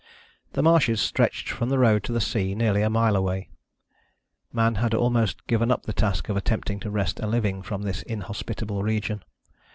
The marshes stretched from the road to the sea, nearly a mile away. Man had almost given up the task of attempting to wrest a living from this inhospitable region.